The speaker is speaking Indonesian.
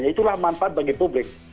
itulah manfaat bagi publik